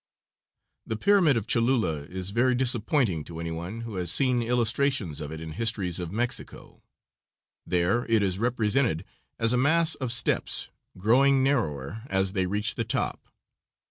The pyramid of Cholula is very disappointing to any one who has seen illustrations of it in histories of Mexico; there it is represented as a mass of steps, growing narrower as they reach the top.